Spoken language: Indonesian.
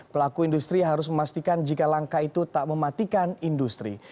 pelaku industri harus memastikan jika langkah itu tak mematikan industri